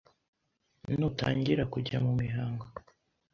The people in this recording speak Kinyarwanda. Nutangira kujya mu mihango,